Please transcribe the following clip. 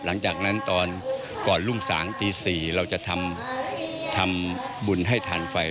หลังจากนั้นตอนก่อนรุ่งสางตี๔เราจะทำบุญให้ทันไฟ